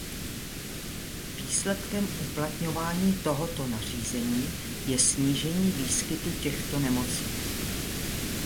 Výsledkem uplatňování tohoto nařízení je snížení výskytu těchto nemocí.